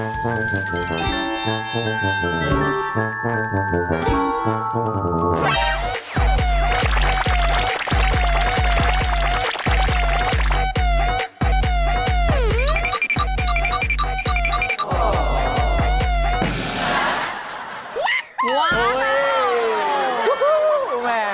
ว้าว